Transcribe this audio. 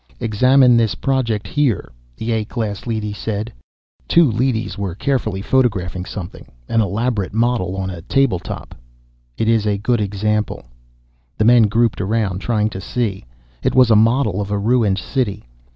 "Examine this project here," the A class leady said. Two leadys were carefully photographing something, an elaborate model on a table top. "It is a good example." The men grouped around, trying to see. It was a model of a ruined city.